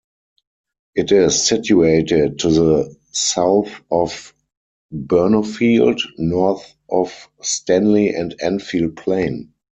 It is situated to the south of Burnopfield, north of Stanley and Annfield Plain.